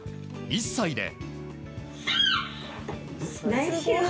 １歳で。